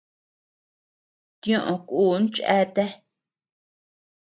Tioʼö kun cheatea.